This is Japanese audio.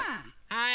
はい！